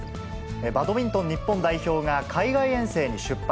バドミントン日本代表が海外遠征に出発。